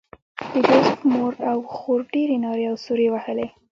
د جوزف مور او خور ډېرې نارې او سورې وهلې